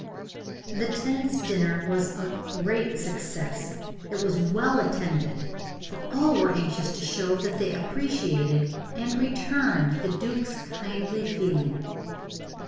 The tenants' dinner was a great success. It was well attended, for all were anxious to show that they appreciated and returned the duke's kindly feeling.